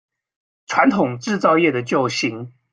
傳統製造業的救星